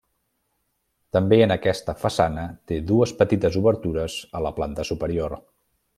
També en aquesta façana té dues petites obertures a la planta superior.